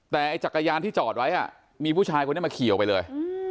แต่ไอ้จักรยานที่จอดไว้มีผู้ชายคนนี้มาขี่ออกไปเลย